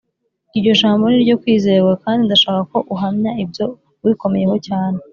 Iryo jambo ni iryo kwizerwa kandi ndashaka ko uhamya ibyo ubikomeyeho cyane